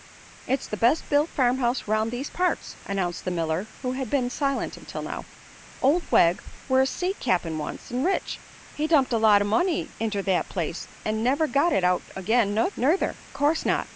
"It's the best built farm house 'round thest parts," announced the miller, who had been silent until now. "Old Wegg were a sea cap'n once, an' rich. He dumped a lot o' money inter that place, an' never got it out agin', nuther." "'Course not.